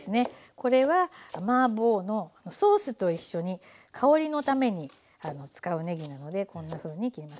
これはマーボーのソースと一緒に香りのために使うねぎなのでこんなふうに切ります。